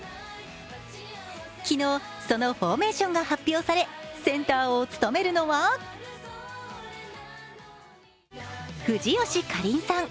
昨日、そのフォーメーションが発表されセンターを務めるのは藤吉夏鈴さん。